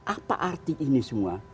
apa arti ini semua